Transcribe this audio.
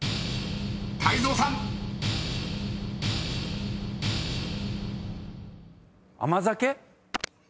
［泰造さん］甘酒？